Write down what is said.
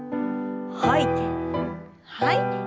吐いて吐いて。